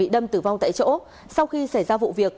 đã rút súng đe dọa bảo vệ